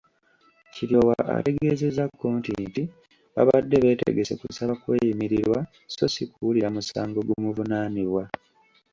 Kiryowa ategeezezza kkooti nti babadde beetegese kusaba kweyimirirwa so si kuwulira musango gumuvunaanibwa.